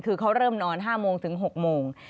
คือเขาเริ่มนอน๑๗๐๐นถึง๑๖๐๐น